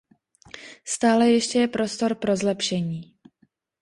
Stále ještě je prostor pro zlepšení.